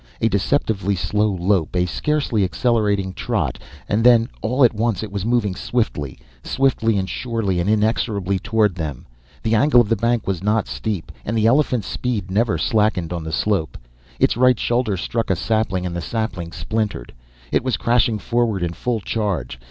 A deceptively slow lope, a scarcely accelerated trot, and then all at once it was moving swiftly, swiftly and surely and inexorably towards them. The angle of the bank was not steep and the elephant's speed never slackened on the slope. Its right shoulder struck a sapling and the sapling splintered. It was crashing forward in full charge.